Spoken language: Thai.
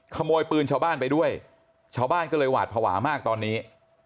ขโมยปืนชาวบ้านไปด้วยชาวบ้านก็เลยหวาดภาวะมากตอนนี้